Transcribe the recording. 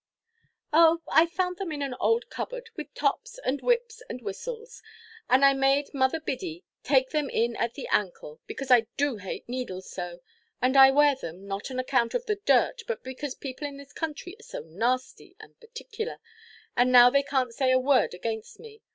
"Oh, I found them in an old cupboard, with tops, and whips, and whistles; and I made Mother Biddy take them in at the ancle, because I do hate needles so. And I wear them, not on account of the dirt, but because people in this country are so nasty and particular; and now they canʼt say a word against me.